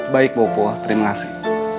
baik bopo terima kasih